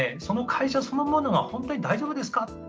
その会社そのものが本当に大丈夫ですか。